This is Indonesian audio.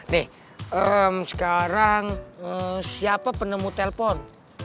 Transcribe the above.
nih sekarang siapa penemu telpon